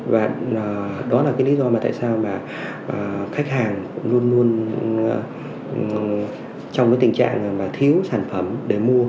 và đó là cái lý do mà tại sao mà khách hàng luôn luôn trong cái tình trạng mà thiếu sản phẩm để mua